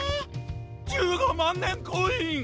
１５まんねんコイン！